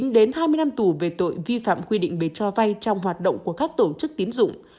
một mươi chín đến hai mươi năm tù về tội vi phạm quy định về cho vai trong hoạt động của các tổ chức tín dụng